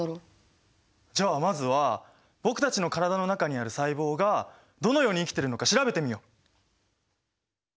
じゃあまずは僕たちの体の中にある細胞がどのように生きてるのか調べてみよう！